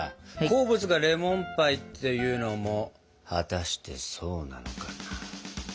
好物がレモンパイっていうのも果たしてそうなのかな？